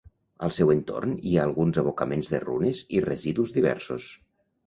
Al seu entorn hi ha alguns abocaments de runes i residus diversos.